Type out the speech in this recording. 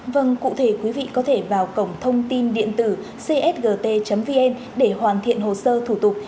vâng cụ thể quý vị có thể vào cổng thông tin điện tử csgt vn để hoàn thiện hồ sơ thủ tục